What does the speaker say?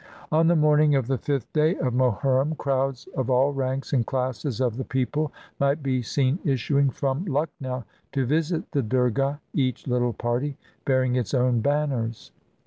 On the morning of the fifth day of Mohurrim, crowds of all ranlvs and classes of the people might be seen issu ing from Lucknow to visit the Durgah, each little party bearing its own banners.